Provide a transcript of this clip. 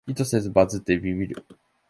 意図せずバズってビビる